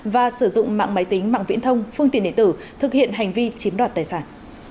và sử dụng mạng máy tính mạng viễn thông phương tiện điện tử thực hiện hành vi chiếm đoạt tài sản